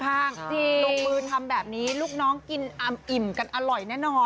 ลงมือทำแบบนี้ลูกน้องกินอำอิ่มกันอร่อยแน่นอน